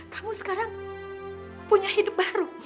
kamu sekarang punya hidup baru